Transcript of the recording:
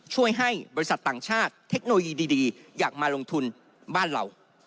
ช่วยให้บริษัทต่างชาติเทคโนโลยีดีอยากมาลงทุนบ้านเรา